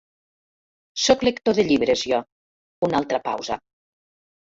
Sóc lector de llibres, jo —una altra pausa—.